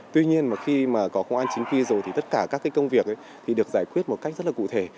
tuy nhiên khi có công an chính quy rồi tất cả các công việc được giải quyết một cách rất cụ thể